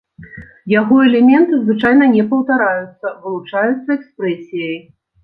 Яго элементы звычайна не паўтараюцца, вылучаюцца экспрэсіяй.